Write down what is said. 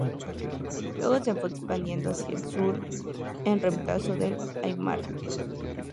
Luego se fue expandiendo hacia el sur en reemplazo del aimara.